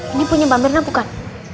ini punya mbak mirna bukan